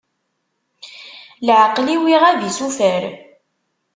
Leɛqel-iw iɣab isufer